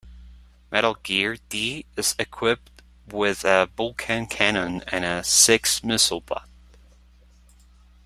Metal Gear D is equipped with a Vulcan cannon and a six-missile pod.